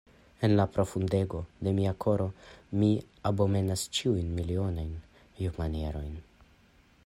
En la profundego de mia koro mi abomenas ĉiujn milionulajn vivmanierojn!